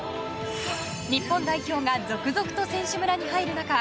日本代表が続々と選手村に入る中